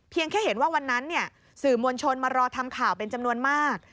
แค่เห็นว่าวันนั้นสื่อมวลชนมารอทำข่าวเป็นจำนวนมาก